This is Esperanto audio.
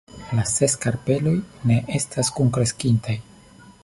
La ses karpeloj ne estas kunkreskintaj.